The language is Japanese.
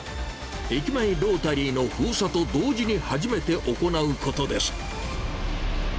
駅前ロータリーの封鎖と同時に、初めて行うことです。